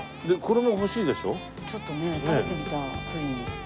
ちょっとね食べてみたいプリン。